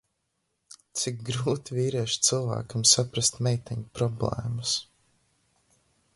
Cik grūti vīrieša cilvēkam saprast meiteņu problēmas!